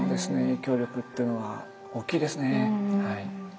影響力っていうのは大きいですねはい。